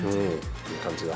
いい感じで。